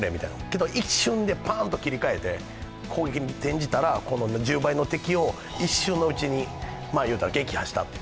けど一瞬でパンと切り替えて攻撃に転じたらこの１０倍の敵を一蹴のうちに撃破したと。